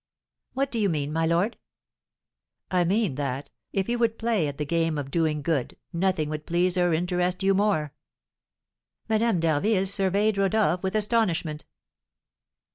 "What do you mean, my lord?" "I mean that, if you would play at the game of doing good, nothing would please or interest you more." Madame d'Harville surveyed Rodolph with astonishment.